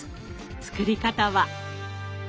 作り方は。